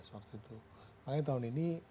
makanya tahun ini